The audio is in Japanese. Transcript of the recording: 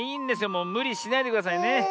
もうむりしないでくださいね。